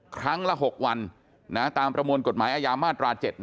ครั้งละ๖วันตามประมวลกฎหมายอาญามาตรา๗